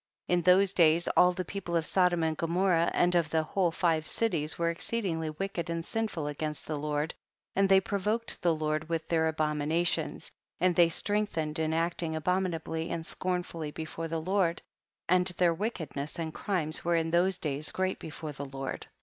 11. In those days all the people of Sodom and Gomorrah, and of the whole five cities, were exceedingly wicked and sinful against the Lord, and they provoked the Lord with their abominations, and they strength ened in acting abominably and scorn fully before the Lord, and their wickedness and crimes were in those days great before the Lord.